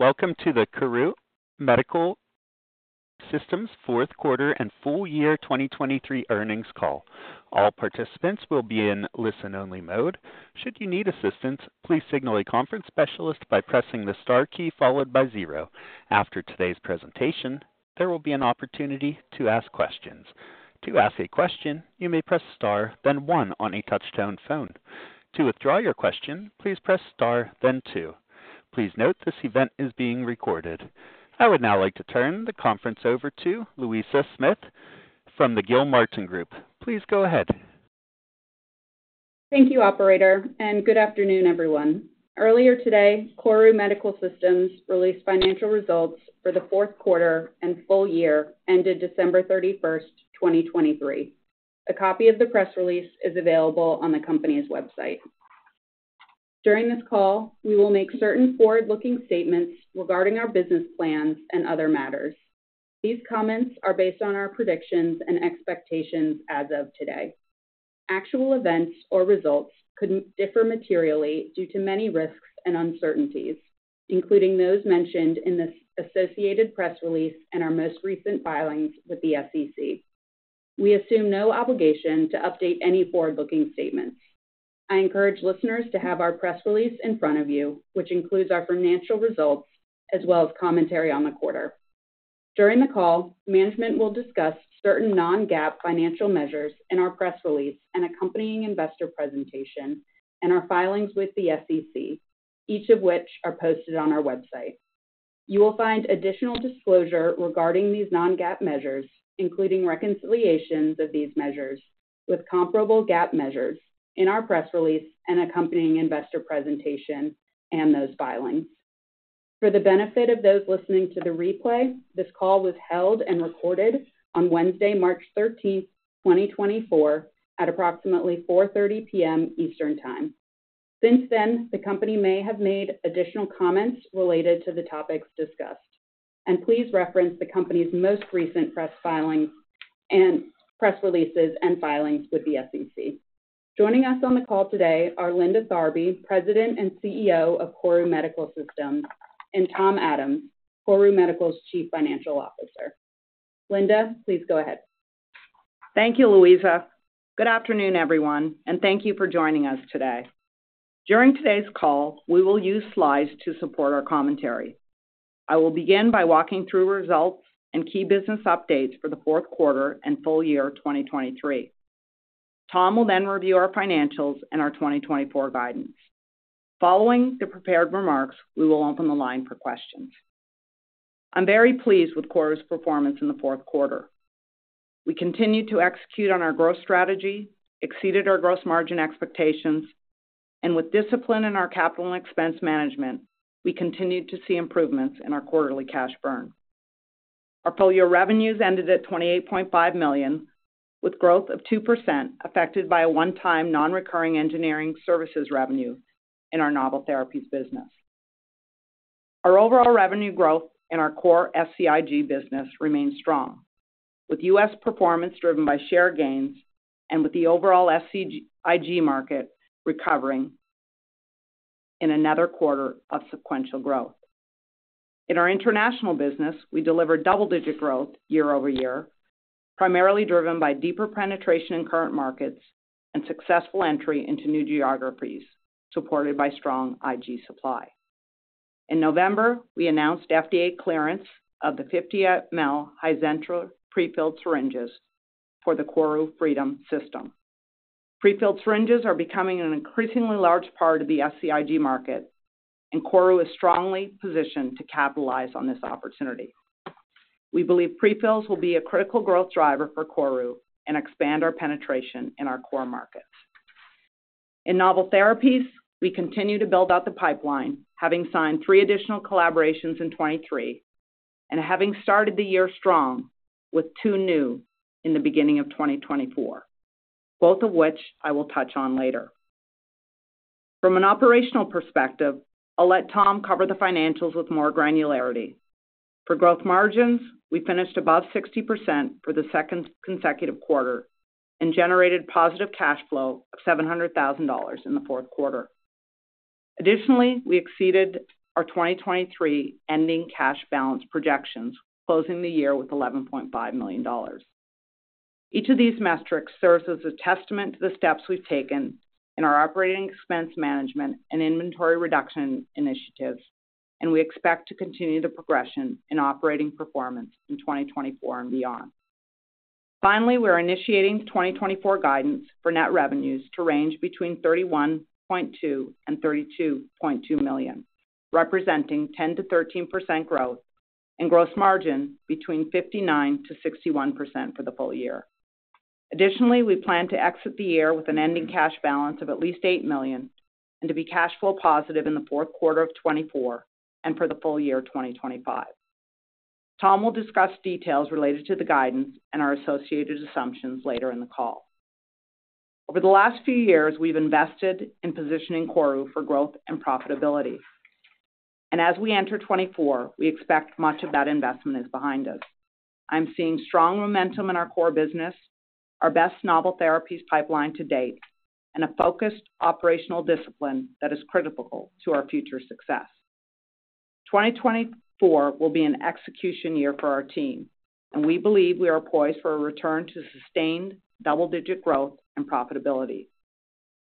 Welcome to the KORU Medical Systems fourth quarter and full year 2023 earnings call. All participants will be in listen-only mode. Should you need assistance, please signal a conference specialist by pressing the star key followed by 0. After today's presentation, there will be an opportunity to ask questions. To ask a question, you may press star, then 1 on a touchtone phone. To withdraw your question, please press star, then 2. Please note, this event is being recorded. I would now like to turn the conference over to Louisa Smith from the Gilmartin Group. Please go ahead. Thank you, operator, and good afternoon, everyone. Earlier today, KORU Medical Systems released financial results for the fourth quarter and full year, ended December 31, 2023. A copy of the press release is available on the company's website. During this call, we will make certain forward-looking statements regarding our business plans and other matters. These comments are based on our predictions and expectations as of today. Actual events or results could differ materially due to many risks and uncertainties, including those mentioned in this associated press release and our most recent filings with the SEC. We assume no obligation to update any forward-looking statements. I encourage listeners to have our press release in front of you, which includes our financial results as well as commentary on the quarter. During the call, management will discuss certain non-GAAP financial measures in our press release and accompanying investor presentation and our filings with the SEC, each of which are posted on our website. You will find additional disclosure regarding these non-GAAP measures, including reconciliations of these measures, with comparable GAAP measures in our press release and accompanying investor presentation and those filings. For the benefit of those listening to the replay, this call was held and recorded on Wednesday, March 13, 2024, at approximately 4:30 P.M. Eastern Time. Since then, the company may have made additional comments related to the topics discussed, and please reference the company's most recent press filings and press releases and filings with the SEC. Joining us on the call today are Linda Tharby, President and CEO of KORU Medical Systems, and Tom Adams, KORU Medical's Chief Financial Officer. Linda, please go ahead. Thank you, Louisa. Good afternoon, everyone, and thank you for joining us today. During today's call, we will use slides to support our commentary. I will begin by walking through results and key business updates for the fourth quarter and full year 2023. Tom will then review our financials and our 2024 guidance. Following the prepared remarks, we will open the line for questions. I'm very pleased with KORU's performance in the fourth quarter. We continued to execute on our growth strategy, exceeded our gross margin expectations, and with discipline in our capital and expense management, we continued to see improvements in our quarterly cash burn. Our full-year revenues ended at $28.5 million, with growth of 2%, affected by a one-time non-recurring engineering services revenue in our novel therapies business. Our overall revenue growth in our core SCIG business remains strong, with U.S. performance driven by share gains and with the overall SCIG market recovering in another quarter of sequential growth. In our international business, we delivered double-digit growth year-over-year, primarily driven by deeper penetration in current markets and successful entry into new geographies, supported by strong IG supply. In November, we announced FDA clearance of the 50 mL Hizentra prefilled syringes for the KORU Freedom System. Prefilled syringes are becoming an increasingly large part of the SCIG market, and KORU is strongly positioned to capitalize on this opportunity. We believe prefills will be a critical growth driver for KORU and expand our penetration in our core markets. In novel therapies, we continue to build out the pipeline, having signed 3 additional collaborations in 2023, and having started the year strong with 2 new in the beginning of 2024, both of which I will touch on later. From an operational perspective, I'll let Tom cover the financials with more granularity. For gross margins, we finished above 60% for the second consecutive quarter and generated positive cash flow of $700,000 in the fourth quarter. Additionally, we exceeded our 2023 ending cash balance projections, closing the year with $11.5 million. Each of these metrics serves as a testament to the steps we've taken in our operating expense management and inventory reduction initiatives, and we expect to continue the progression in operating performance in 2024 and beyond. Finally, we are initiating 2024 guidance for net revenues to range between $31.2 million-$32.2 million, representing 10%-13% growth and gross margin between 59%-61% for the full year. Additionally, we plan to exit the year with an ending cash balance of at least $8 million, and to be cash flow positive in the fourth quarter of 2024, and for the full year 2025. Tom will discuss details related to the guidance and our associated assumptions later in the call. Over the last few years, we've invested in positioning KORU for growth and profitability, and as we enter 2024, we expect much of that investment is behind us.... I'm seeing strong momentum in our core business, our best novel therapies pipeline to date, and a focused operational discipline that is critical to our future success. 2024 will be an execution year for our team, and we believe we are poised for a return to sustained double-digit growth and profitability.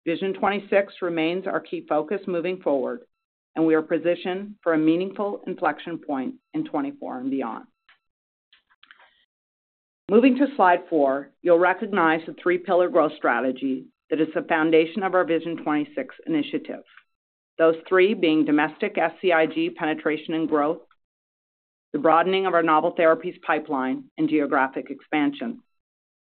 Vision 2026 remains our key focus moving forward, and we are positioned for a meaningful inflection point in 2024 and beyond. Moving to slide 4, you'll recognize the three pillar growth strategy that is the foundation of our Vision 2026 initiative. Those three being domestic SCIG penetration and growth, the broadening of our novel therapies pipeline, and geographic expansion.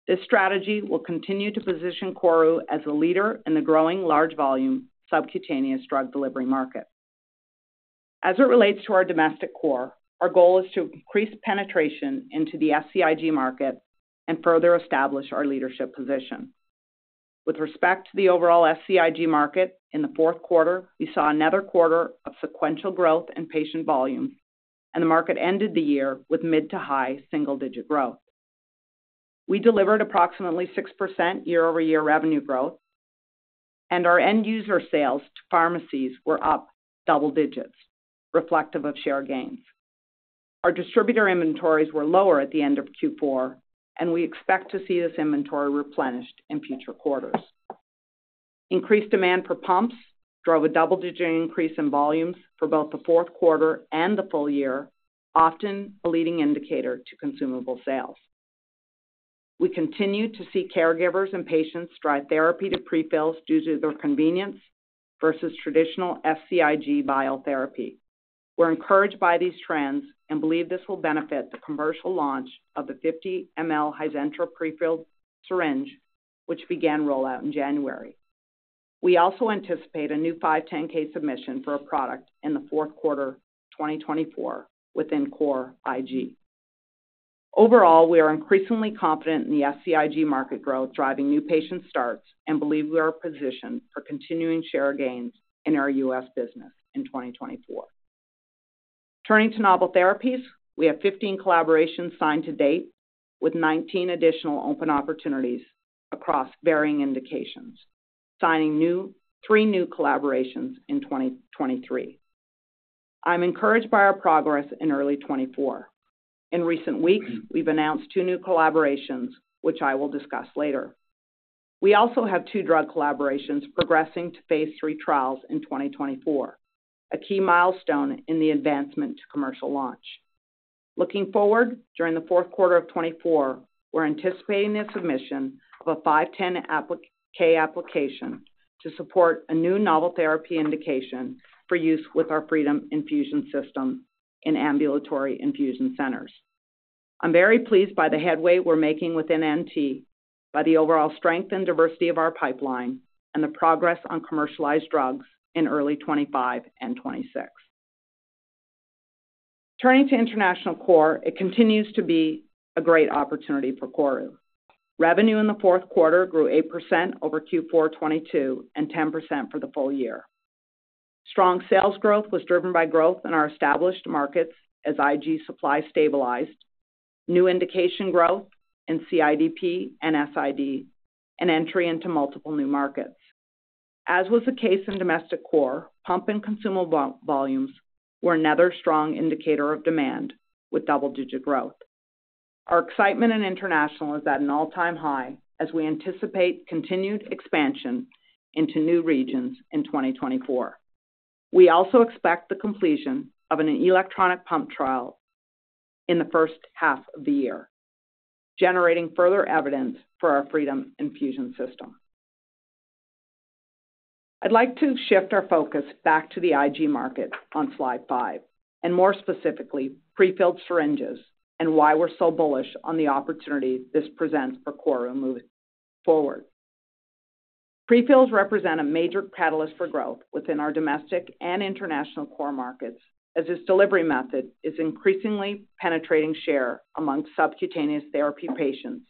This strategy will continue to position KORU as a leader in the growing large volume subcutaneous drug delivery market. As it relates to our domestic core, our goal is to increase penetration into the SCIG market and further establish our leadership position. With respect to the overall SCIG market, in the fourth quarter, we saw another quarter of sequential growth and patient volume, and the market ended the year with mid- to high single-digit growth. We delivered approximately 6% year-over-year revenue growth, and our end user sales to pharmacies were up double digits, reflective of share gains. Our distributor inventories were lower at the end of Q4, and we expect to see this inventory replenished in future quarters. Increased demand for pumps drove a double-digit increase in volumes for both the fourth quarter and the full year, often a leading indicator to consumable sales. We continue to see caregivers and patients [tri] therapy to prefills due to their convenience versus traditional SCIG vial therapy. We're encouraged by these trends and believe this will benefit the commercial launch of the 50 mL Hizentra prefilled syringe, which began rollout in January. We also anticipate a new 510(k) submission for a product in the fourth quarter of 2024 within core IG. Overall, we are increasingly confident in the SCIG market growth, driving new patient starts and believe we are positioned for continuing share gains in our US business in 2024. Turning to novel therapies, we have 15 collaborations signed to date, with 19 additional open opportunities across varying indications, signing three new collaborations in 2023. I'm encouraged by our progress in early 2024. In recent weeks, we've announced 2 new collaborations, which I will discuss later. We also have 2 drug collaborations progressing to phase III trials in 2024, a key milestone in the advancement to commercial launch. Looking forward, during the fourth quarter of 2024, we're anticipating the submission of a 510(k) application to support a new novel therapy indication for use with our Freedom Infusion System in ambulatory infusion centers. I'm very pleased by the headway we're making within NRE, by the overall strength and diversity of our pipeline and the progress on commercialized drugs in early 2025 and 2026. Turning to international core, it continues to be a great opportunity for KORU. Revenue in the fourth quarter grew 8% over Q4 2022, and 10% for the full year. Strong sales growth was driven by growth in our established markets as IG supply stabilized, new indication growth in CIDP and SID, and entry into multiple new markets. As was the case in domestic core, pump and consumable volumes were another strong indicator of demand with double-digit growth. Our excitement in international is at an all-time high as we anticipate continued expansion into new regions in 2024. We also expect the completion of an electronic pump trial in the first half of the year, generating further evidence for our Freedom Infusion System. I'd like to shift our focus back to the IG market on slide 5, and more specifically, prefilled syringes, and why we're so bullish on the opportunity this presents for KORU moving forward. Prefills represent a major catalyst for growth within our domestic and international core markets, as this delivery method is increasingly penetrating share amongst subcutaneous therapy patients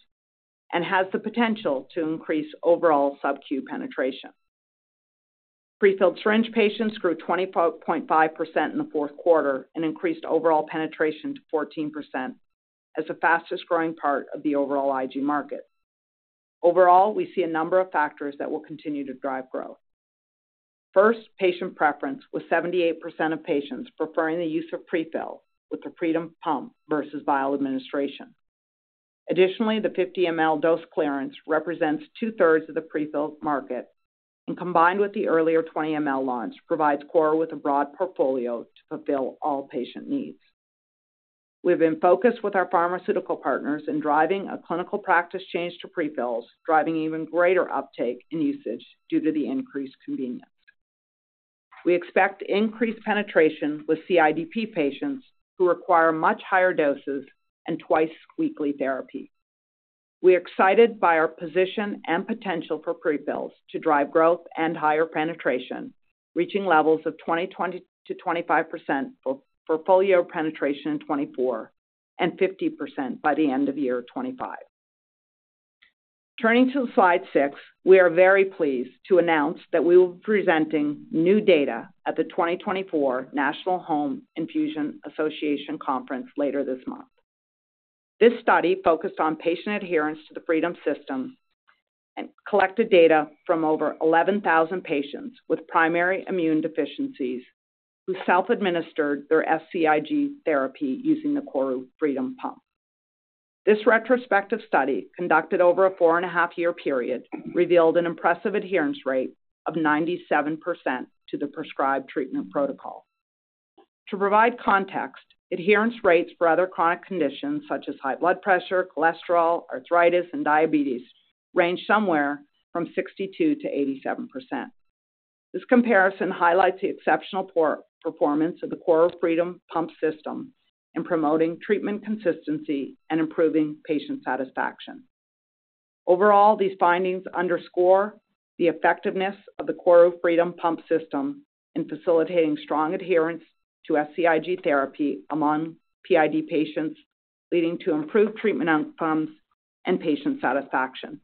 and has the potential to increase overall subcute penetration. Prefilled syringe patients grew 25.5% in the fourth quarter and increased overall penetration to 14%, as the fastest growing part of the overall IG market. Overall, we see a number of factors that will continue to drive growth. First, patient preference, with 78% of patients preferring the use of prefill with the Freedom Pump versus vial administration. Additionally, the 50 mL dose clearance represents 2/3 of the prefilled market, and combined with the earlier 20 mL launch, provides KORU with a broad portfolio to fulfill all patient needs. We've been focused with our pharmaceutical partners in driving a clinical practice change to prefills, driving even greater uptake and usage due to the increased convenience. We expect increased penetration with CIDP patients who require much higher doses and twice weekly therapy. We are excited by our position and potential for prefills to drive growth and higher penetration, reaching levels of 20-25% for full year penetration in 2024, and 50% by the end of year 2025.... Turning to slide 6, we are very pleased to announce that we will be presenting new data at the 2024 National Home Infusion Association Conference later this month. This study focused on patient adherence to the Freedom system and collected data from over 11,000 patients with primary immune deficiencies, who self-administered their SCIG therapy using the KORU Freedom Pump. This retrospective study, conducted over a 4.5-year period, revealed an impressive adherence rate of 97% to the prescribed treatment protocol. To provide context, adherence rates for other chronic conditions such as high blood pressure, cholesterol, arthritis, and diabetes range somewhere from 62%-87%. This comparison highlights the exceptional performance of the KORU Freedom Pump system in promoting treatment consistency and improving patient satisfaction. Overall, these findings underscore the effectiveness of the KORU Freedom Pump system in facilitating strong adherence to SCIG therapy among PID patients, leading to improved treatment outcomes and patient satisfaction.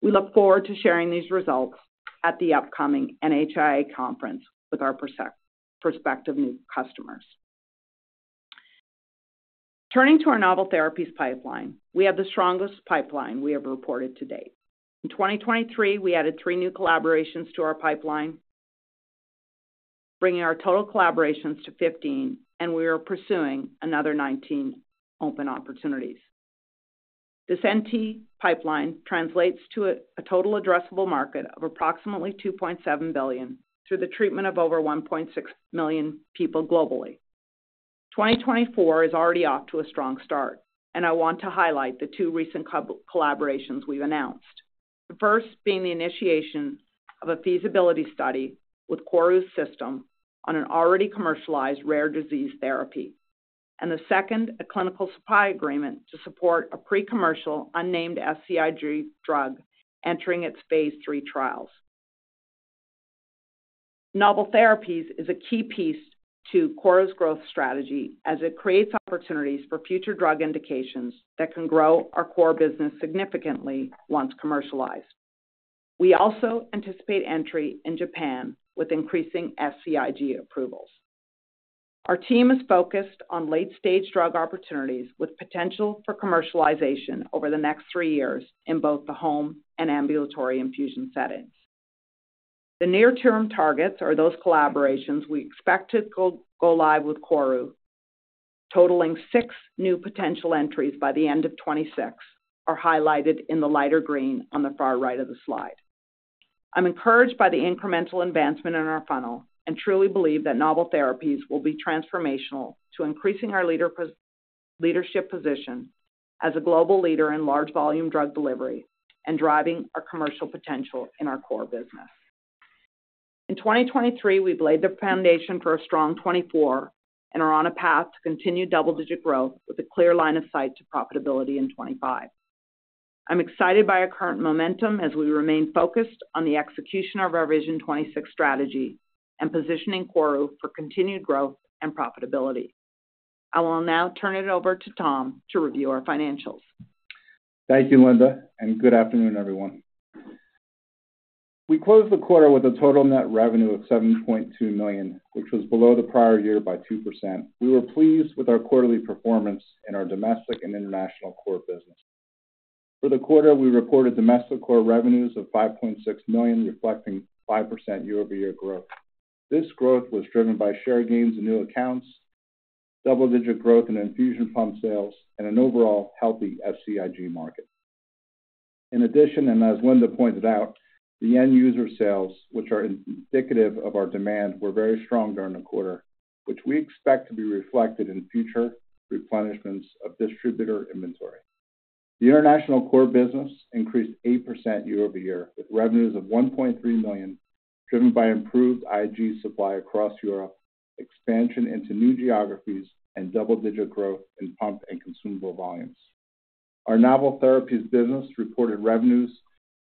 We look forward to sharing these results at the upcoming NHIA conference with our prospective new customers. Turning to our novel therapies pipeline, we have the strongest pipeline we have reported to date. In 2023, we added three new collaborations to our pipeline, bringing our total collaborations to 15, and we are pursuing another 19 open opportunities. This NT pipeline translates to a total addressable market of approximately $2.7 billion through the treatment of over 1.6 million people globally. 2024 is already off to a strong start, and I want to highlight the two recent collaborations we've announced. The first being the initiation of a feasibility study with KORU's system on an already commercialized rare disease therapy. And the second, a clinical supply agreement to support a pre-commercial, unnamed SCIG drug entering its phase III trials. Novel therapies is a key piece to KORU's growth strategy, as it creates opportunities for future drug indications that can grow our core business significantly once commercialized. We also anticipate entry in Japan with increasing SCIG approvals. Our team is focused on late-stage drug opportunities with potential for commercialization over the next three years in both the home and ambulatory infusion settings. The near-term targets are those collaborations we expect to go live with KORU, totaling six new potential entries by the end of 2026, are highlighted in the lighter green on the far right of the slide. I'm encouraged by the incremental advancement in our funnel and truly believe that novel therapies will be transformational to increasing our leadership position as a global leader in large volume drug delivery and driving our commercial potential in our core business. In 2023, we've laid the foundation for a strong 2024 and are on a path to continued double-digit growth with a clear line of sight to profitability in 2025. I'm excited by our current momentum as we remain focused on the execution of our Vision 2026 strategy and positioning KORU for continued growth and profitability. I will now turn it over to Tom to review our financials. Thank you, Linda, and good afternoon, everyone. We closed the quarter with a total net revenue of $7.2 million, which was below the prior year by 2%. We were pleased with our quarterly performance in our domestic and international core business. For the quarter, we reported domestic core revenues of $5.6 million, reflecting 5% year-over-year growth. This growth was driven by share gains in new accounts, double-digit growth in infusion pump sales, and an overall healthy SCIG market. In addition, and as Linda pointed out, the end user sales, which are indicative of our demand, were very strong during the quarter, which we expect to be reflected in future replenishments of distributor inventory. The international core business increased 8% year-over-year, with revenues of $1.3 million, driven by improved IG supply across Europe, expansion into new geographies, and double-digit growth in pump and consumable volumes. Our novel therapies business reported revenues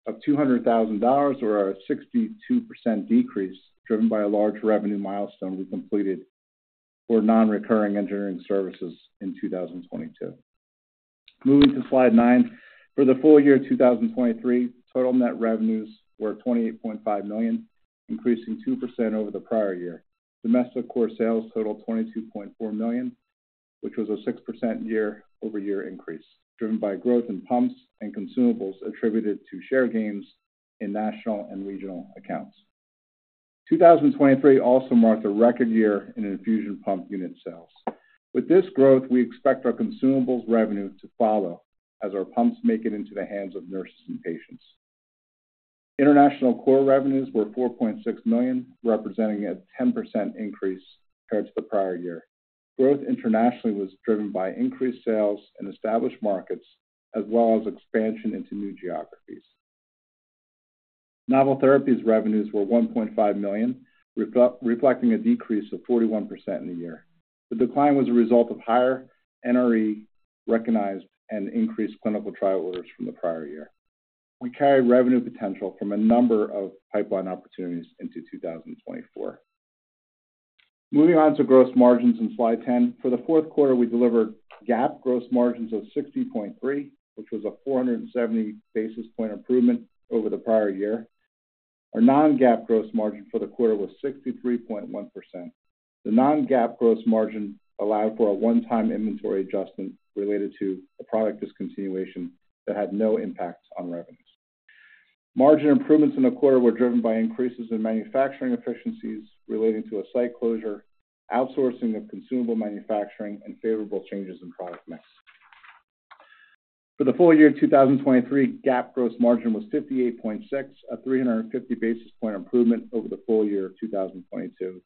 of $200,000, or a 62% decrease, driven by a large revenue milestone we completed for non-recurring engineering services in 2022. Moving to slide 9. For the full year 2023, total net revenues were $28.5 million, increasing 2% over the prior year. Domestic core sales totaled $22.4 million, which was a 6% year-over-year increase, driven by growth in pumps and consumables attributed to share gains in national and regional accounts. 2023 also marked a record year in infusion pump unit sales. With this growth, we expect our consumables revenue to follow as our pumps make it into the hands of nurses and patients. International core revenues were $4.6 million, representing a 10% increase compared to the prior year. Growth internationally was driven by increased sales in established markets, as well as expansion into new geographies. Novel therapies revenues were $1.5 million, reflecting a decrease of 41% in the year. The decline was a result of higher NRE recognized and increased clinical trial orders from the prior year. We carry revenue potential from a number of pipeline opportunities into 2024. Moving on to gross margins in slide 10. For the fourth quarter, we delivered GAAP gross margins of 60.3%, which was a 470 basis point improvement over the prior year. Our non-GAAP gross margin for the quarter was 63.1%. The non-GAAP gross margin allowed for a one-time inventory adjustment related to a product discontinuation that had no impact on revenues. Margin improvements in the quarter were driven by increases in manufacturing efficiencies relating to a site closure, outsourcing of consumable manufacturing, and favorable changes in product mix. For the full year 2023, GAAP gross margin was 58.6, a 350 basis point improvement over the full year of 2022,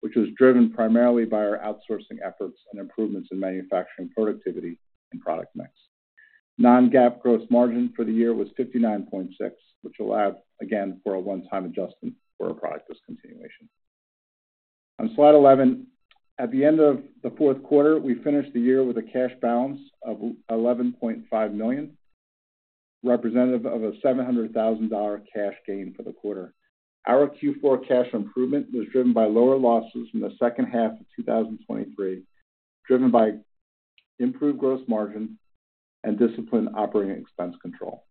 which was driven primarily by our outsourcing efforts and improvements in manufacturing productivity and product mix. Non-GAAP gross margin for the year was 59.6, which allowed, again, for a one-time adjustment for a product discontinuation. On slide 11, at the end of the fourth quarter, we finished the year with a cash balance of $11.5 million, representative of a $700,000 cash gain for the quarter. Our Q4 cash improvement was driven by lower losses in the second half of 2023, driven by improved gross margin and disciplined operating expense control.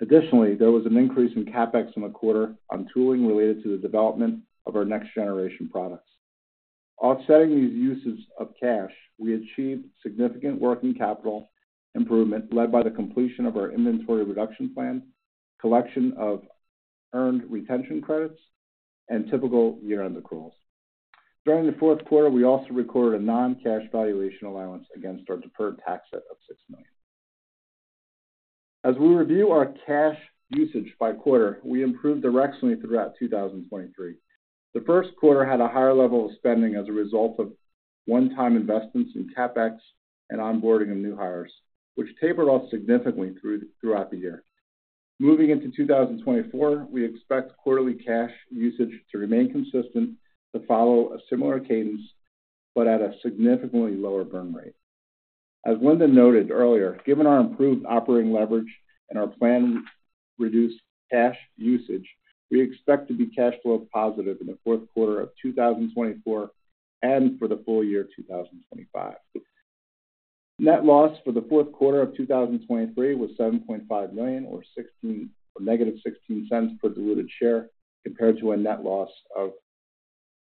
Additionally, there was an increase in CapEx in the quarter on tooling related to the development of our next-generation products. Offsetting these uses of cash, we achieved significant working capital improvement led by the completion of our inventory reduction plan, collection of earned retention credits, and typical year-end accruals. During the fourth quarter, we also recorded a non-cash valuation allowance against our deferred tax asset of $6 million. As we review our cash usage by quarter, we improved directionally throughout 2023. The first quarter had a higher level of spending as a result of one-time investments in CapEx and onboarding of new hires, which tapered off significantly throughout the year. Moving into 2024, we expect quarterly cash usage to remain consistent, to follow a similar cadence, but at a significantly lower burn rate. As Linda noted earlier, given our improved operating leverage and our planned reduced cash usage, we expect to be cash flow positive in the fourth quarter of 2024 and for the full year 2025. Net loss for the fourth quarter of 2023 was $7.5 million, or negative $0.16 per diluted share, compared to a net loss of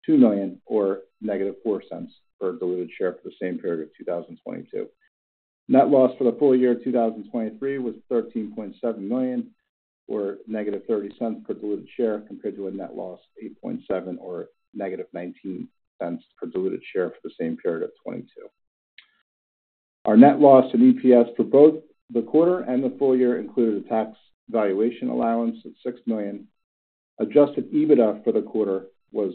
$2 million or negative $0.04 per diluted share for the same period of 2022. Net loss for the full year 2023 was $13.7 million, or -$0.30 per diluted share, compared to a net loss of $8.7 million or -$0.19 per diluted share for the same period of 2022. Our net loss in EPS for both the quarter and the full year included a tax valuation allowance of $6 million. Adjusted EBITDA for the quarter was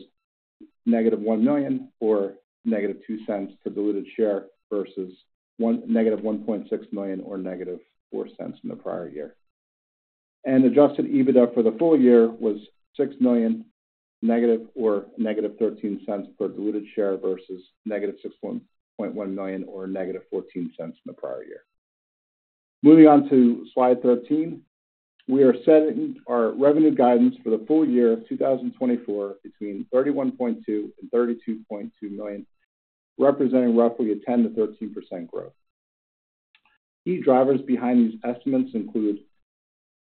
-$1 million, or -$0.02 per diluted share, versus -$1.6 million or -$0.04 in the prior year. Adjusted EBITDA for the full year was -$6 million, or -$0.13 per diluted share, versus -$6.1 million or -$0.14 in the prior year. Moving on to slide 13. We are setting our revenue guidance for the full year of 2024 between $31.2 million and $32.2 million, representing roughly a 10%-13% growth. Key drivers behind these estimates include,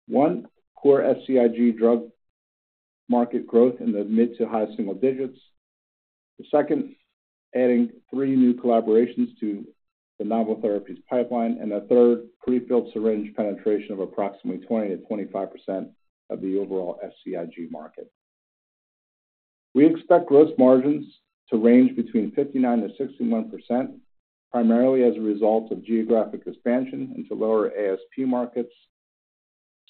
one, core SCIG drug market growth in the mid to high single digits. The second, adding 3 new collaborations to the novel therapies pipeline. And the third, prefilled syringe penetration of approximately 20%-25% of the overall SCIG market. We expect gross margins to range between 59%-61%, primarily as a result of geographic expansion into lower ASP markets,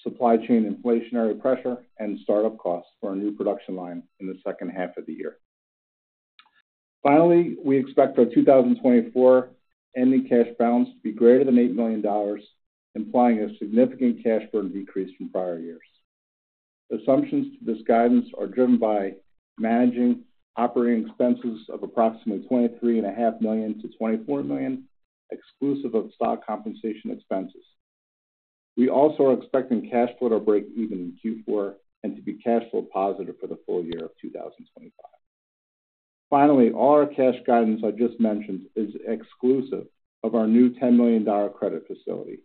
supply chain inflationary pressure, and startup costs for our new production line in the second half of the year. Finally, we expect our 2024 ending cash balance to be greater than $8 million, implying a significant cash burn decrease from prior years. Assumptions to this guidance are driven by managing operating expenses of approximately $23.5 million-$24 million, exclusive of stock compensation expenses. We also are expecting cash flow to break even in Q4 and to be cash flow positive for the full year of 2025. Finally, our cash guidance I just mentioned is exclusive of our new $10 million credit facility.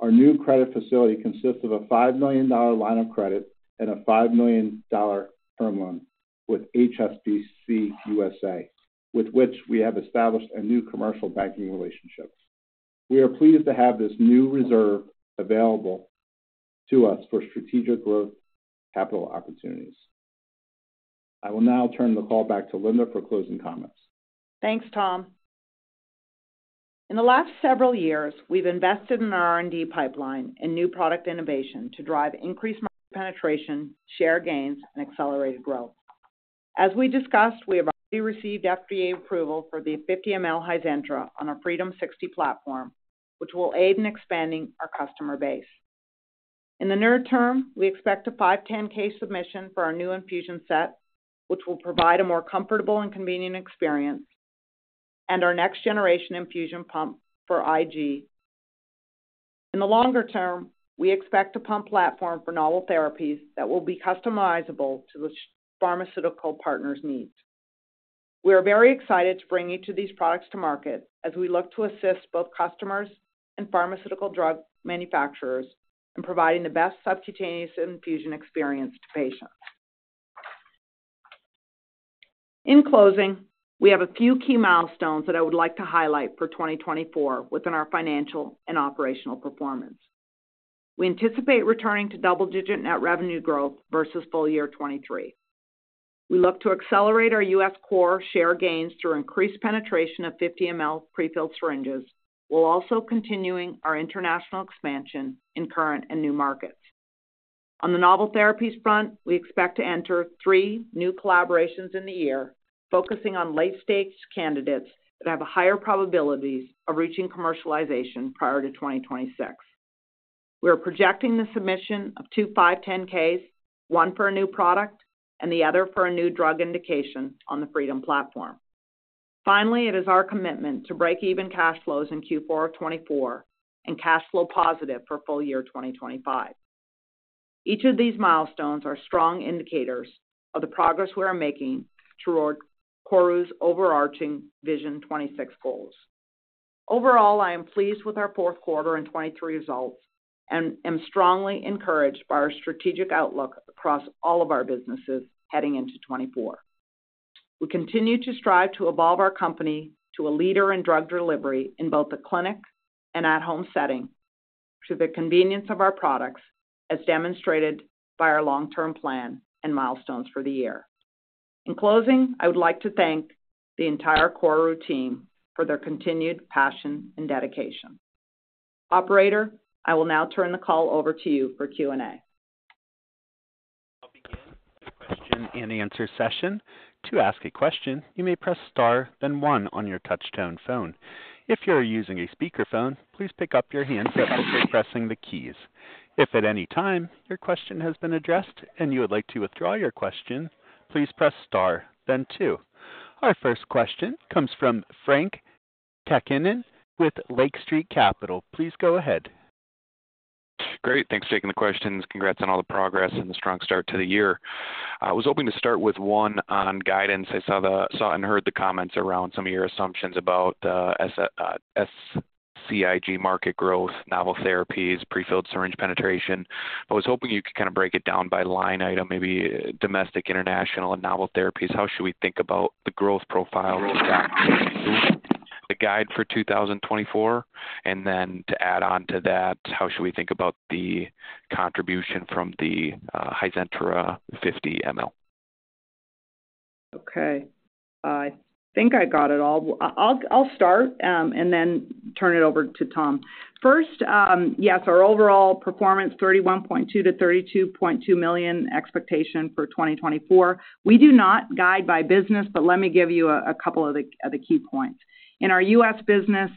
Our new credit facility consists of a $5 million line of credit and a $5 million term loan with HSBC USA, with which we have established a new commercial banking relationship. We are pleased to have this new reserve available to us for strategic growth capital opportunities. I will now turn the call back to Linda for closing comments. Thanks, Tom. In the last several years, we've invested in our R&D pipeline and new product innovation to drive increased market penetration, share gains, and accelerated growth. As we discussed, we have already received FDA approval for the 50 mL Hizentra on our Freedom60 platform, which will aid in expanding our customer base. In the near term, we expect a 510(k) submission for our new infusion set, which will provide a more comfortable and convenient experience, and our next generation infusion pump for IG. In the longer term, we expect our pump platform for novel therapies that will be customizable to which pharmaceutical partners need. We are very excited to bring these products to market as we look to assist both customers and pharmaceutical drug manufacturers in providing the best subcutaneous infusion experience to patients. In closing, we have a few key milestones that I would like to highlight for 2024 within our financial and operational performance. We anticipate returning to double-digit net revenue growth versus full year 2023. We look to accelerate our U.S. core share gains through increased penetration of 50 mL prefilled syringes, while also continuing our international expansion in current and new markets. On the novel therapies front, we expect to enter 3 new collaborations in the year, focusing on late-stage candidates that have a higher probabilities of reaching commercialization prior to 2026. We are projecting the submission of two 510(k)s, one for a new product and the other for a new drug indication on the Freedom platform. Finally, it is our commitment to break-even cash flows in Q4 of 2024 and cash flow positive for full year 2025. Each of these milestones are strong indicators of the progress we are making toward KORU's overarching Vision 2026 goals. Overall, I am pleased with our fourth quarter and 2023 results and am strongly encouraged by our strategic outlook across all of our businesses heading into 2024. We continue to strive to evolve our company to a leader in drug delivery in both the clinic and at-home setting, to the convenience of our products, as demonstrated by our long-term plan and milestones for the year. In closing, I would like to thank the entire KORU team for their continued passion and dedication. Operator, I will now turn the call over to you for Q&A. I'll begin the question and answer session. To ask a question, you may press Star, then one on your touchtone phone. If you are using a speakerphone, please pick up your handset by pressing the keys. If at any time your question has been addressed and you would like to withdraw your question, please press Star then two. Our first question comes from Frank Takkinen with Lake Street Capital. Please go ahead. Great, thanks for taking the questions. Congrats on all the progress and the strong start to the year. I was hoping to start with one on guidance. I saw and heard the comments around some of your assumptions about SCIG market growth, novel therapies, prefilled syringe penetration. I was hoping you could kind of break it down by line item, maybe domestic, international, and novel therapies. How should we think about the growth profile, the guide for 2024? And then to add on to that, how should we think about the contribution from the Hizentra 50 mL? Okay, I think I got it all. I'll start, and then turn it over to Tom. First, yes, our overall performance, $31.2 million-$32.2 million expectation for 2024. We do not guide by business, but let me give you a couple of the key points. In our U.S. business,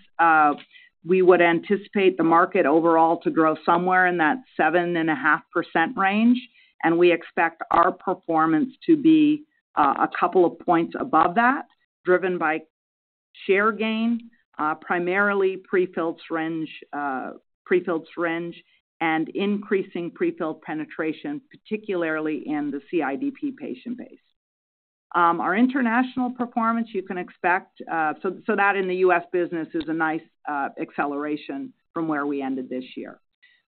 we would anticipate the market overall to grow somewhere in that 7.5% range, and we expect our performance to be a couple of points above that, driven by share gain, primarily prefilled syringe, prefilled syringe and increasing prefilled penetration, particularly in the CIDP patient base. Our international performance, you can expect... So that in the U.S. business is a nice acceleration from where we ended this year.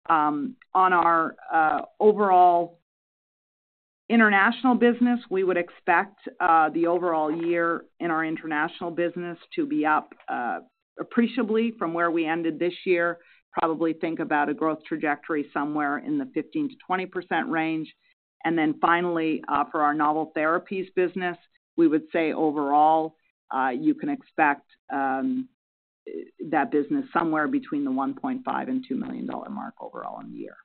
On our overall international business, we would expect the overall year in our international business to be up appreciably from where we ended this year. Probably think about a growth trajectory somewhere in the 15%-20% range. And then finally, for our novel therapies business, we would say overall, you can expect that business somewhere between the $1.5-$2 million mark overall in the year.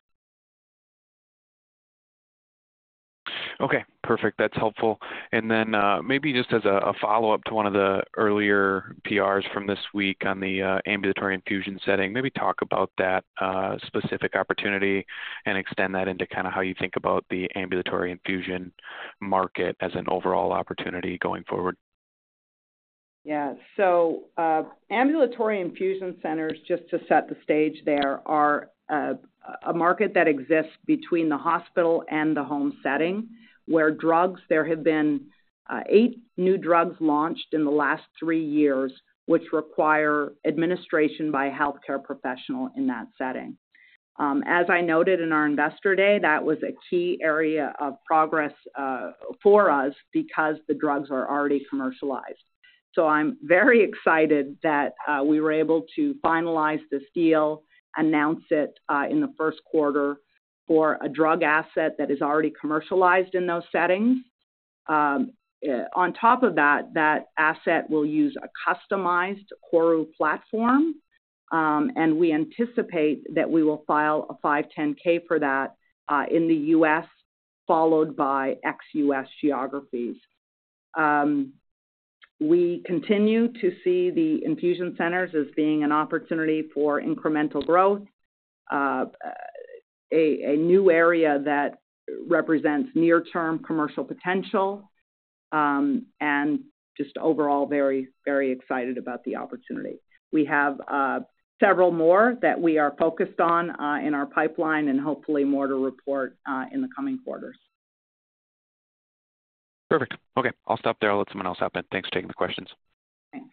Okay, perfect. That's helpful. And then, maybe just as a follow-up to one of the earlier PRs from this week on the ambulatory infusion setting. Maybe talk about that specific opportunity and extend that into kind of how you think about the ambulatory infusion market as an overall opportunity going forward. Yeah. So, ambulatory infusion centers, just to set the stage there, are a market that exists between the hospital and the home setting, where drugs, there have been 8 new drugs launched in the last 3 years, which require administration by a healthcare professional in that setting. As I noted in our Investor Day, that was a key area of progress for us because the drugs are already commercialized. So I'm very excited that we were able to finalize this deal, announce it in the first quarter for a drug asset that is already commercialized in those settings. On top of that, that asset will use a customized KORU platform, and we anticipate that we will file a 510(k) for that in the U.S., followed by ex-U.S. geographies. We continue to see the infusion centers as being an opportunity for incremental growth, a new area that represents near-term commercial potential, and just overall, very, very excited about the opportunity. We have several more that we are focused on in our pipeline, and hopefully more to report in the coming quarters. Perfect. Okay, I'll stop there. I'll let someone else hop in. Thanks for taking the questions. Thanks.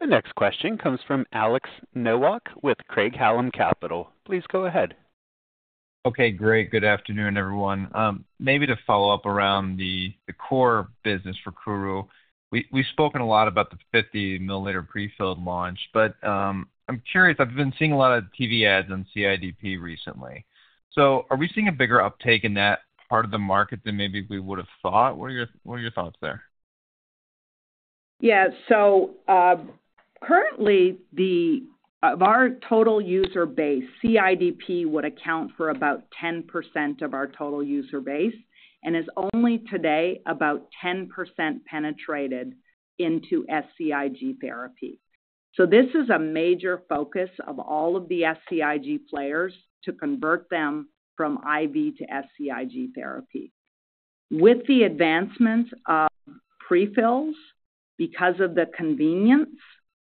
The next question comes from Alex Nowak with Craig-Hallum Capital. Please go ahead. Okay, great. Good afternoon, everyone. Maybe to follow up around the core business for KORU. We've spoken a lot about the 50 milliliter prefilled launch, but I'm curious. I've been seeing a lot of TV ads on CIDP recently. So are we seeing a bigger uptake in that part of the market than maybe we would have thought? What are your thoughts there? Yeah. So, currently, of our total user base, CIDP would account for about 10% of our total user base and is only today about 10% penetrated into SCIG therapy. So this is a major focus of all of the SCIG players to convert them from IV to SCIG therapy. With the advancements of prefills, because of the convenience,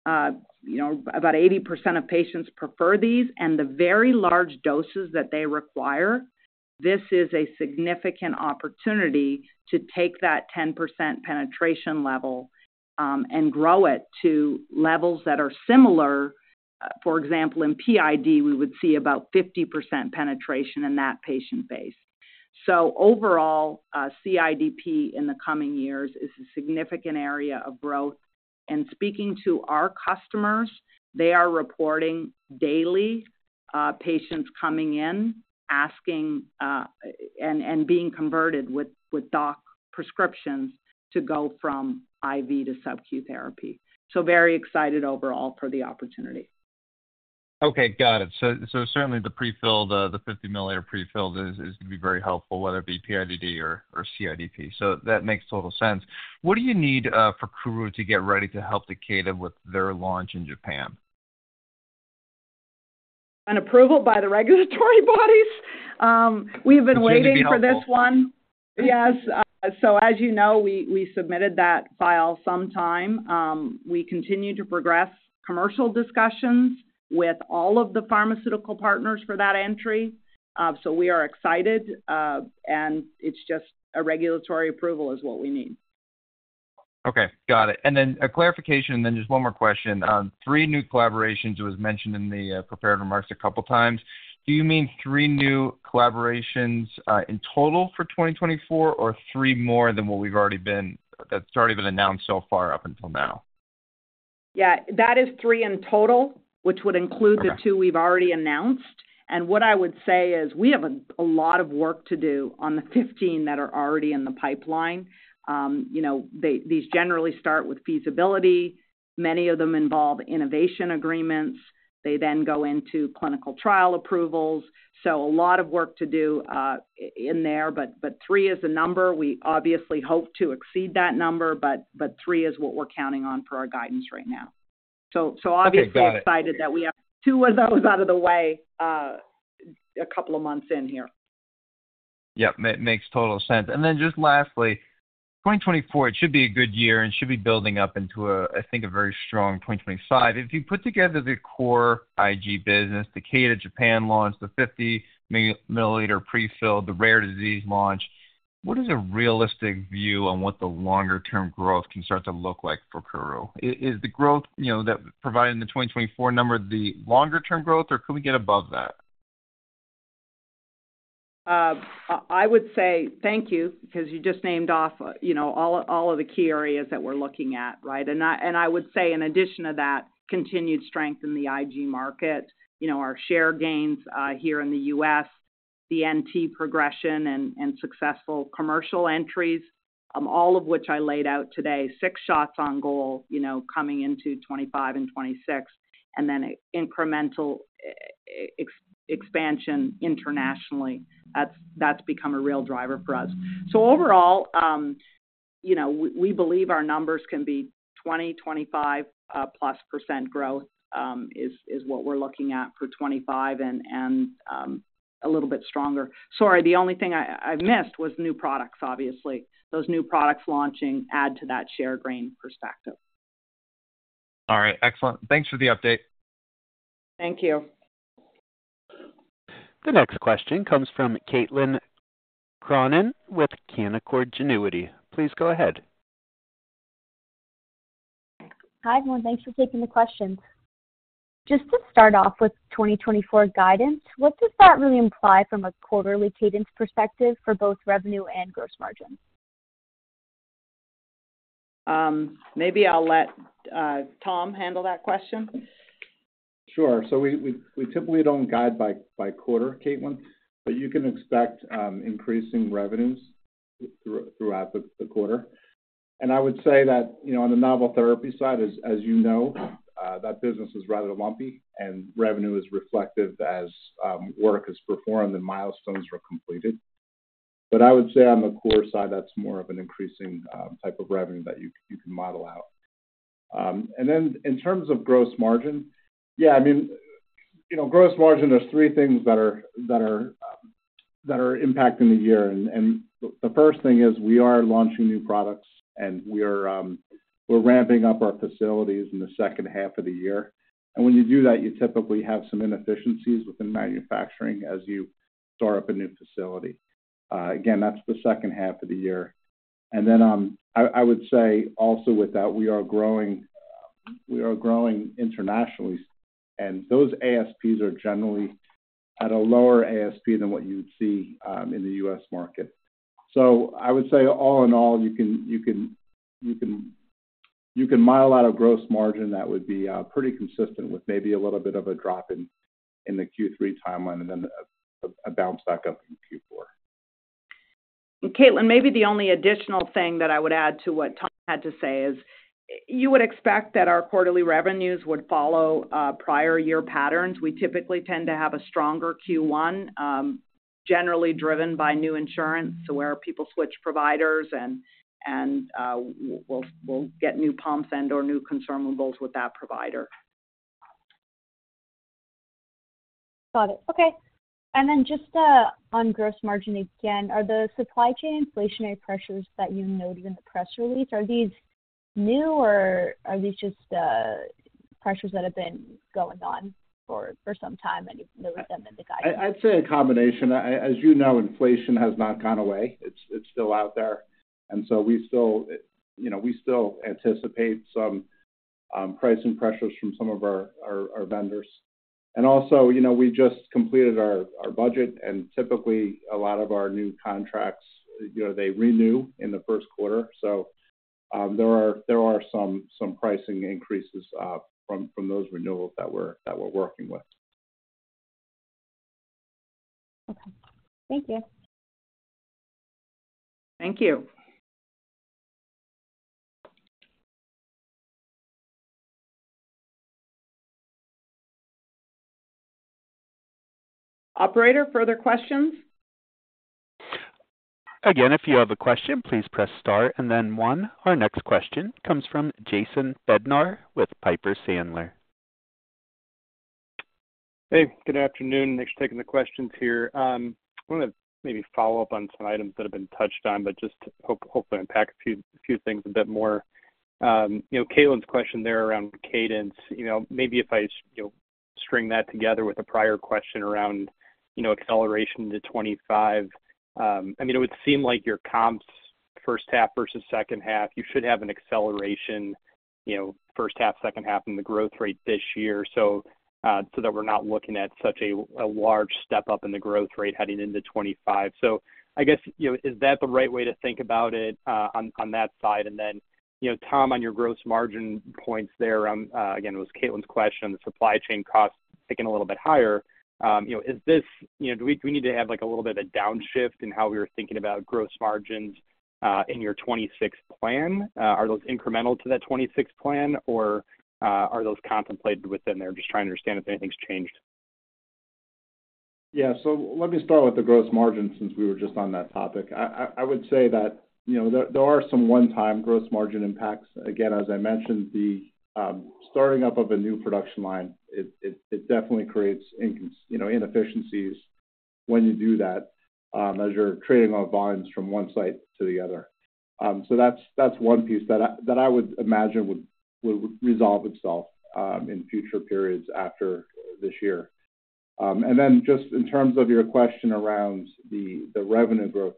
you know, about 80% of patients prefer these and the very large doses that they require, this is a significant opportunity to take that 10% penetration level, and grow it to levels that are similar. For example, in PID, we would see about 50% penetration in that patient base. So overall, CIDP in the coming years is a significant area of growth, and speaking to our customers, they are reporting daily, patients coming in, asking, and being converted with doc prescriptions to go from IV to subQ therapy. So very excited overall for the opportunity. Okay, got it. So, so certainly the prefill, the 50 milliliter prefill is, is going to be very helpful, whether it be PID or CIDP. So that makes total sense. What do you need for KORU to get ready to help Takeda with their launch in Japan? An approval by the regulatory bodies. We've been waiting for this one. Continue to be helpful. Yes. So as you know, we submitted that file some time. We continue to progress commercial discussions with all of the pharmaceutical partners for that entry. So we are excited, and it's just a regulatory approval is what we need. Okay, got it. Then a clarification, and just one more question. Three new collaborations was mentioned in the prepared remarks a couple of times. Do you mean three new collaborations in total for 2024, or three more than what we've already been - that's already been announced so far up until now? Yeah, that is 3 in total, which would include- Okay... the two we've already announced. And what I would say is we have a lot of work to do on the 15 that are already in the pipeline. You know, these generally start with feasibility. Many of them involve innovation agreements. They then go into clinical trial approvals. So a lot of work to do in there, but three is the number. We obviously hope to exceed that number, but three is what we're counting on for our guidance right now. So obviously- Okay, got it.... excited that we have two of those out of the way, a couple of months in here. Yeah, makes total sense. And then just lastly, 2024, it should be a good year and should be building up into a, I think, a very strong 2025. If you put together the core IG business, the Takeda Japan launch, the 50 milliliter prefill, the rare disease launch, what is a realistic view on what the longer-term growth can start to look like for KORU? Is the growth, you know, that providing the 2024 number, the longer term growth, or could we get above that? I would say thank you, because you just named off, you know, all of the key areas that we're looking at, right? And I would say in addition to that, continued strength in the IG market, you know, our share gains here in the U.S., the NT progression and successful commercial entries, all of which I laid out today, 6 shots on goal, you know, coming into 2025 and 2026, and then incremental expansion internationally. That's become a real driver for us. So overall, you know, we believe our numbers can be 20-25%+ growth, is what we're looking at for 2025 and a little bit stronger. Sorry, the only thing I missed was new products, obviously. Those new products launching add to that share gain perspective. All right. Excellent. Thanks for the update. Thank you. The next question comes from Caitlin Cronin with Canaccord Genuity. Please go ahead. Hi, everyone. Thanks for taking the questions. Just to start off with 2024 guidance, what does that really imply from a quarterly cadence perspective for both revenue and gross margin? Maybe I'll let Tom handle that question. Sure. So we typically don't guide by quarter, Caitlin, but you can expect increasing revenues throughout the quarter. And I would say that, you know, on the novel therapy side, as you know, that business is rather lumpy, and revenue is reflective as work is performed and milestones are completed. But I would say on the core side, that's more of an increasing type of revenue that you can model out. And then in terms of gross margin, yeah, I mean, you know, gross margin, there's three things that are impacting the year. And the first thing is we are launching new products, and we're ramping up our facilities in the second half of the year. When you do that, you typically have some inefficiencies within manufacturing as you start up a new facility. Again, that's the second half of the year. Then, I would say also with that, we are growing, we are growing internationally, and those ASPs are generally at a lower ASP than what you would see, in the U.S. market. So I would say, all in all, you can model out a gross margin that would be, pretty consistent with maybe a little bit of a drop in, in the Q3 timeline, and then a bounce back up in Q4. And Caitlin, maybe the only additional thing that I would add to what Tom had to say is, you would expect that our quarterly revenues would follow prior year patterns. We typically tend to have a stronger Q1, generally driven by new insurance, so where people switch providers and we'll get new pumps and/or new consumables with that provider. Got it. Okay. And then just on gross margin again, are the supply chain inflationary pressures that you noted in the press release new, or are these just pressures that have been going on for some time, and you've noted them in the guidance? I'd say a combination. As you know, inflation has not gone away. It's still out there. And so we still, you know, we still anticipate some pricing pressures from some of our vendors. And also, you know, we just completed our budget, and typically, a lot of our new contracts, you know, they renew in the first quarter. So, there are some pricing increases from those renewals that we're working with. Okay. Thank you. Thank you. Operator, further questions? Again, if you have a question, please press Star and then 1. Our next question comes from Jason Bednar with Piper Sandler. Hey, good afternoon. Thanks for taking the questions here. I want to maybe follow up on some items that have been touched on, but just hopefully unpack a few things a bit more. You know, Caitlin's question there around cadence, you know, maybe if I, you know, string that together with a prior question around, you know, acceleration to 25, I mean, it would seem like your comps, first half versus second half, you should have an acceleration, you know, first half, second half in the growth rate this year. So, so that we're not looking at such a large step up in the growth rate heading into 25. So I guess, you know, is that the right way to think about it, on that side? And then, you know, Tom, on your gross margin points there, again, it was Caitlin's question on the supply chain costs ticking a little bit higher. You know, is this, you know, do we need to have, like, a little bit of a downshift in how we were thinking about gross margins in your 2026 plan? Are those incremental to that 2026 plan, or are those contemplated within there? Just trying to understand if anything's changed. Yeah. So let me start with the gross margin, since we were just on that topic. I would say that, you know, there are some one-time gross margin impacts. Again, as I mentioned, the starting up of a new production line, it definitely creates you know, inefficiencies when you do that, as you're trading off volumes from one site to the other. So that's one piece that I would imagine would resolve itself in future periods after this year. And then just in terms of your question around the revenue growth,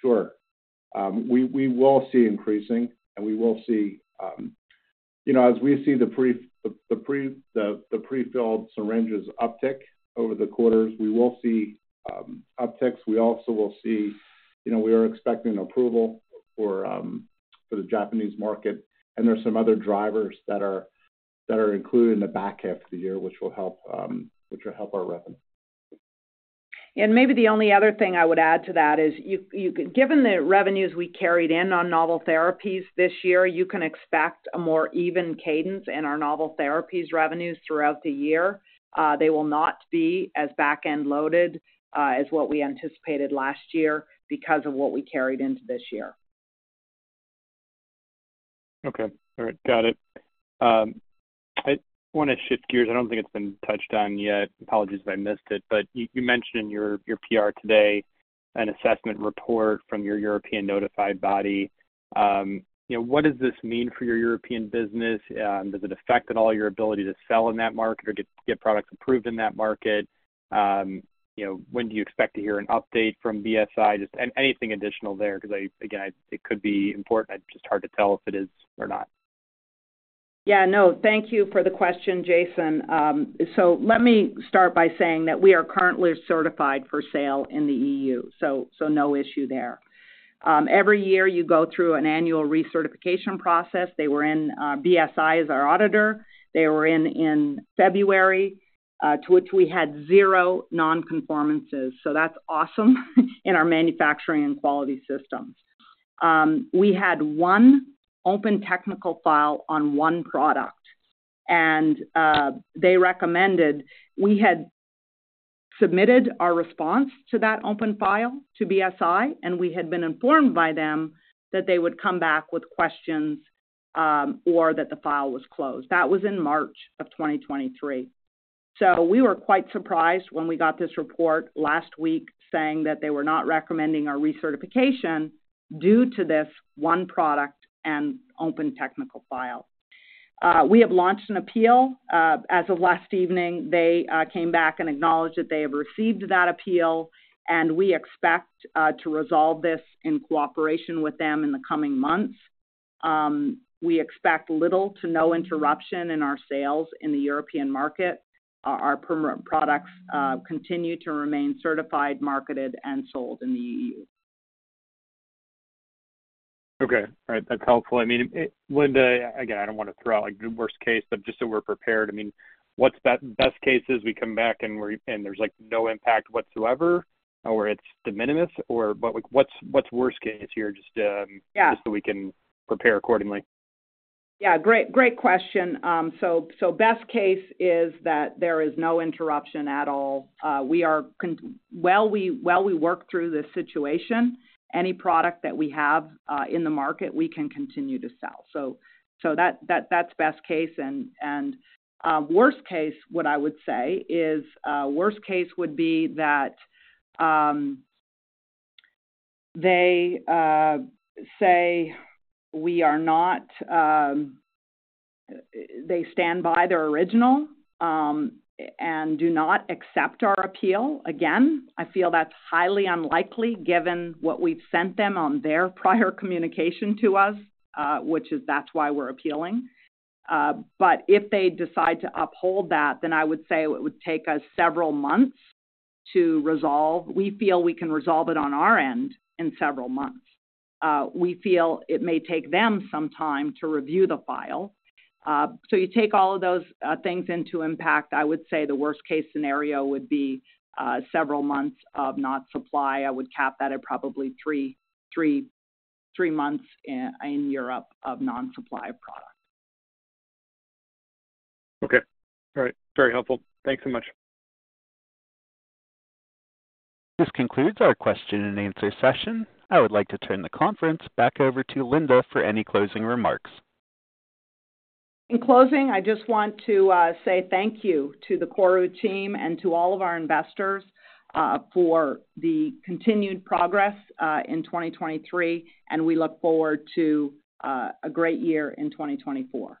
sure. We will see increasing, and we will see. You know, as we see the prefilled syringes uptick over the quarters, we will see upticks. We also will see, you know, we are expecting approval for the Japanese market, and there are some other drivers that are included in the back half of the year, which will help our revenue. Maybe the only other thing I would add to that is, given the revenues we carried in on novel therapies this year, you can expect a more even cadence in our novel therapies revenues throughout the year. They will not be as back-end loaded as what we anticipated last year because of what we carried into this year. Okay. All right. Got it. I want to shift gears. I don't think it's been touched on yet. Apologies if I missed it. But you mentioned in your PR today an assessment report from your European notified body. You know, what does this mean for your European business? Does it affect at all your ability to sell in that market or get products approved in that market? You know, when do you expect to hear an update from BSI? Just anything additional there, because I, again, it could be important. It's just hard to tell if it is or not. Yeah, no, thank you for the question, Jason. So let me start by saying that we are currently certified for sale in the EU, so, so no issue there. Every year, you go through an annual recertification process. They were in; BSI is our auditor. They were in February, to which we had zero non-conformances, so that's awesome, in our manufacturing and quality systems. We had one open technical file on one product and they recommended, we had submitted our response to that open file to BSI, and we had been informed by them that they would come back with questions, or that the file was closed. That was in March of 2023. So we were quite surprised when we got this report last week saying that they were not recommending our recertification due to this one product and open technical file. We have launched an appeal. As of last evening, they came back and acknowledged that they have received that appeal, and we expect to resolve this in cooperation with them in the coming months. We expect little to no interruption in our sales in the European market. Our Freedom products continue to remain certified, marketed, and sold in the EU. Okay, all right. That's helpful. I mean, Linda, again, I don't want to throw out, like, the worst case, but just so we're prepared, I mean, what's the best case is we come back and we're and there's, like, no impact whatsoever, or it's de minimis? Or, but, like, what's, what's worst case here? Just- Yeah. Just so we can prepare accordingly. Yeah, great, great question. So, so best case is that there is no interruption at all. While we, while we work through this situation, any product that we have in the market, we can continue to sell. So, so that, that, that's best case. And, and, worst case, what I would say is, worst case would be that, they say, we are not, they stand by their original and do not accept our appeal. Again, I feel that's highly unlikely, given what we've sent them on their prior communication to us, which is why we're appealing. But if they decide to uphold that, then I would say it would take us several months to resolve. We feel we can resolve it on our end in several months. We feel it may take them some time to review the file. So you take all of those things into account, I would say the worst-case scenario would be several months of no supply. I would cap that at probably 3 months in Europe of no supply of product. Okay. All right. Very helpful. Thanks so much. This concludes our question-and-answer session. I would like to turn the conference back over to Linda for any closing remarks. In closing, I just want to say thank you to the KORU team and to all of our investors for the continued progress in 2023, and we look forward to a great year in 2024.